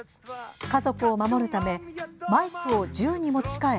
家族を守るためマイクを銃に持ち替え